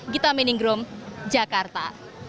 gita meninggrum jakarta